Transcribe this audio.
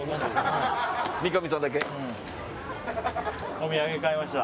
お土産買いました。